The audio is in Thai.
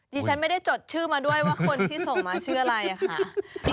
ดิฉันไม่ได้จดชื่อมาด้วยว่าคนที่ส่งมาชื่ออะไรค่ะ